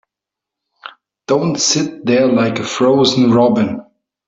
Don't sit there like a frozen robin.